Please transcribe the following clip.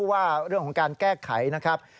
ว่าเรื่องของการแก้ไขนะครับ